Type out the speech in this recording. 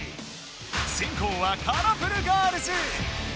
せんこうはカラフルガールズ。